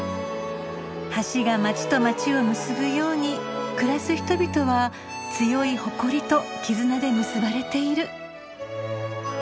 橋が街と街を結ぶように暮らす人々は強い誇りと絆で結ばれている。